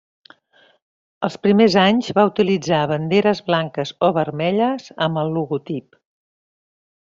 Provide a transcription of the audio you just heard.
Els primers anys va utilitzar banderes blanques o vermelles amb el logotip.